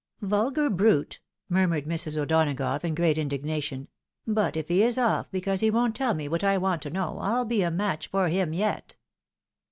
" Vulgar brute !" murmured Mrs. O'Donagough in great indignation. " But if he is off, because he won't teU me what I want to know, I'll be a match for him yet."